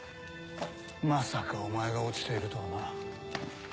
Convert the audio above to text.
まさかお前が落ちているとはな。